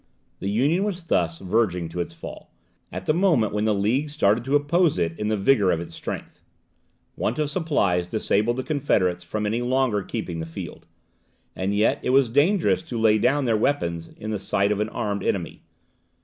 The Union was thus verging to its fall, at the moment when the League started to oppose it in the vigour of its strength. Want of supplies disabled the confederates from any longer keeping the field. And yet it was dangerous to lay down their weapons in the sight of an armed enemy.